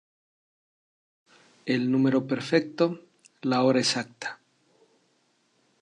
Es el número perfecto, la hora exacta.